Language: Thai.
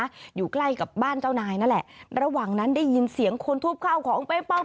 อยู่ใกล้กับบ้านเจ้านายนั่นแหละระหว่างนั้นได้ยินเสียงคนทุบข้าวของไปปั๊บ